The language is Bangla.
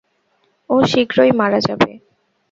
ও শীঘ্রই মারা যাবে।